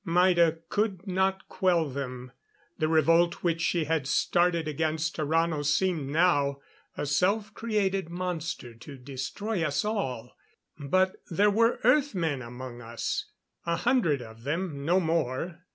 Maida could not quell them. The revolt which she had started against Tarrano seemed now a self created monster to destroy us all. But there were Earth men among us. A hundred of them, no more.